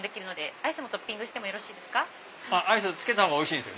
アイスつけたほうがおいしい？